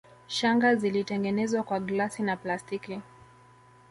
Shanga zilitengenezwa kwa glasi na plastiki